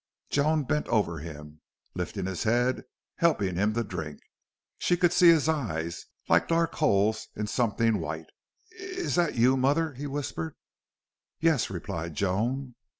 Joan bent over him, lifting his head, helping him to drink. She could see his eyes, like dark holes in something white. "Is that you mother?" he whispered. "Yes," replied Joan.